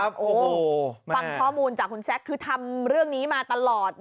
โอ้โหฟังข้อมูลจากคุณแซคคือทำเรื่องนี้มาตลอด